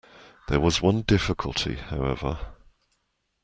There was one difficulty, however.